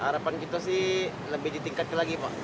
harapan kita sih lebih ditingkatkan lagi pak